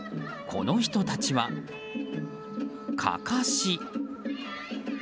この人たちは、かかし。